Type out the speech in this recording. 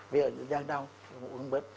ví dụ như là đang đau uống bớt